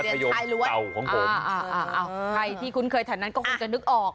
ถ้าคุณเคยถ่านนั้นก็ควรจะนึกออก